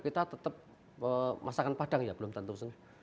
kita tetap masakan padang ya belum tentu sih